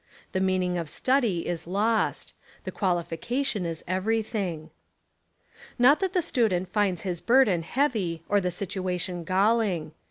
The meaning of study is lost. The qualification Is everything. 22 The Apology of a Professor Not that the student finds his burden heavy or the situation galling.